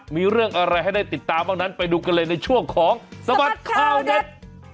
มีเรื่องอะไรให้ได้ติดตามบ้างนั้นไปดูกันเลยในช่วงของสบัดข่าวเด็ด